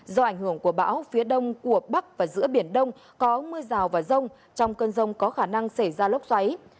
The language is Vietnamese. do ảnh hưởng của bão phía đông của bắc và giữa biển đông có mưa rào và rông trong cơn rông có khả năng xảy ra lốc xoáy